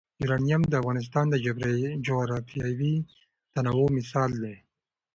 یورانیم د افغانستان د جغرافیوي تنوع مثال دی.